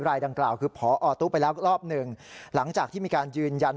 รายดังกล่าวคือพอตู้ไปแล้วรอบหนึ่งหลังจากที่มีการยืนยัน